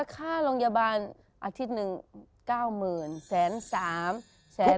ค่าโรงยาบาลอาทิตย์หนึ่ง๙๐๐๐๐แสน๓๐๐๐